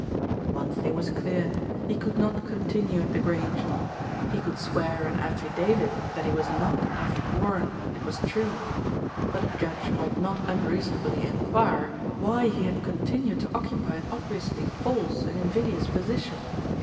One thing was clear, he could not continue at The Grange. He could swear an affidavit that he was not Alfred Warren, it was true; but a judge might not un reasonably enquire why he had continued to occupy an obviously false and invidious position.